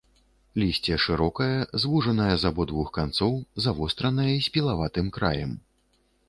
Лісце шырокае, звужанае з абодвух канцоў, завостранае, з пілаватым краем.